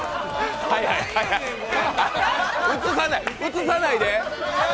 映さないで。